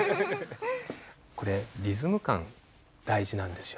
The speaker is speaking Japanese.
これリズム感大事なんですよ。